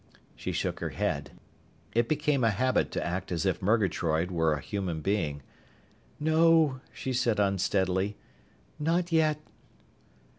She shook her head. It became a habit to act as if Murgatroyd were a human being. "No," she said unsteadily. "Not yet."